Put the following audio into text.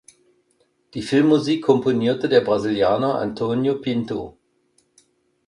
Die Filmmusik komponierte der Brasilianer Antonio Pinto.